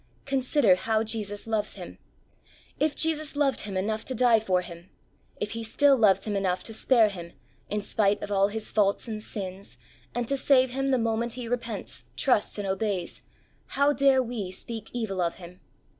Consider how Jesus loves him. If Jesus loved him enough to die for him ; if He still loves him enough to spare him, in spite of all his faults and sins, and to save him the moment he repents, trusts and obeys, how dare we speak evil of him